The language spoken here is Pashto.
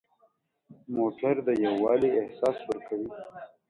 موټر د یووالي احساس ورکوي.